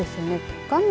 画面